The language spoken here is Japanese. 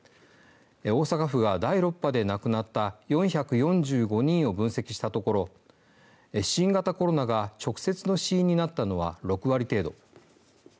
大阪府が第６波で亡くなった４４５人を分析したところ新型コロナが直接の死因になったのは６割程度。